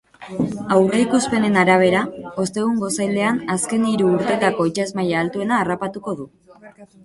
Aurreikuspenen arabera, ostegun goizaldean azken hiru urteetako itsas maila altuena harrapatuko du.